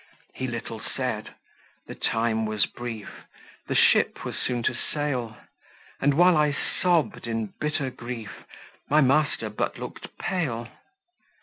He little said; the time was brief, The ship was soon to sail, And while I sobbed in bitter grief, My master but looked pale.